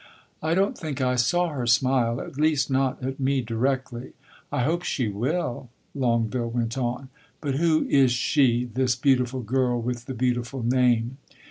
"I don't think I saw her smile at least, not at me, directly. I hope she will!" Longueville went on. "But who is she this beautiful girl with the beautiful name?"